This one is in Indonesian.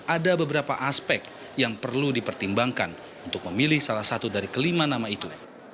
ada beberapa aspek yang perlu dipertimbangkan untuk memilih salah satu dari kelima nama itu